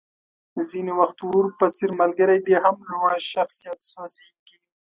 ځينې وخت ورور په څېر ملګری دې هم له لوړ شخصيت سوځېږي.